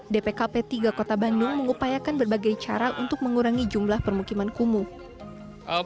dpkp tiga kota bandung mengupayakan berbagai cara untuk mengurangi jumlah permukiman kumuh